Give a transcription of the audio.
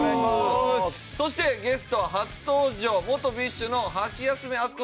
そしてゲストは初登場元ＢｉＳＨのハシヤスメ・アツコさんです。